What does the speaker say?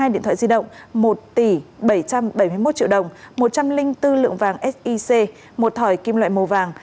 một mươi điện thoại di động một tỷ bảy trăm bảy mươi một triệu đồng một trăm linh bốn lượng vàng sic một thỏi kim loại màu vàng